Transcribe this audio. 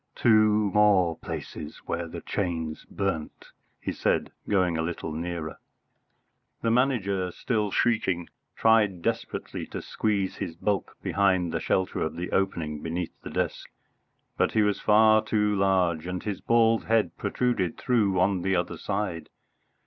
"Two more places where the chains burnt," he said, going a little nearer. The Manager, still shrieking, tried desperately to squeeze his bulk behind the shelter of the opening beneath the desk, but he was far too large, and his bald head protruded through on the other side.